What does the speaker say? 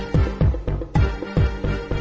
กินโทษส่องแล้วอย่างนี้ก็ได้